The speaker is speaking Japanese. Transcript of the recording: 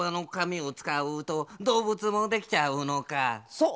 そう！